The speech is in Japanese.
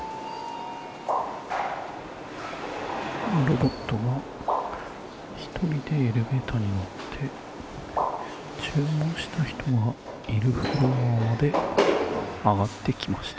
ロボットが１人でエレベーターに乗って注文した人がいるフロアまで上がってきました。